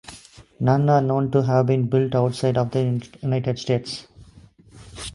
None are known to have been built outside of the United States.